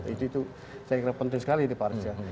itu saya kira penting sekali pak arief